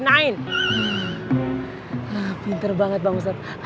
nah pinter banget bang ustadz